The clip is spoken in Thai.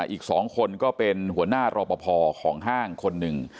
อีก๒คนก็เป็นหัวหน้ารอปภของห้างคนหนึ่ง